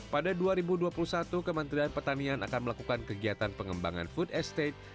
pada dua ribu dua puluh satu kementerian pertanian akan melakukan kegiatan pengembangan food estate